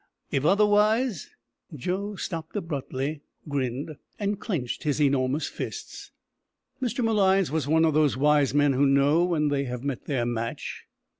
If otherwise " Joe stopped abruptly, grinned, and clenched his enormous fists. Mr Malines was one of those wise men who know when they have met their match.